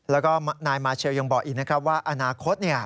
แล้วก็นายมาเชลยังบอกอีกนะครับว่าอนาคต